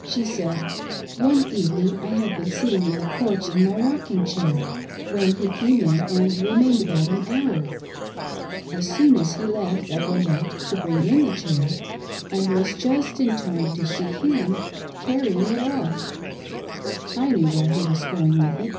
She said: "One evening I had been sitting in theporch in. my foeking chair, when he came in and remained about an hour. As soon as he left, I went out to bring^ in the chair, and was just in time to see him carrying it off ;^ I' knew where he was going with it."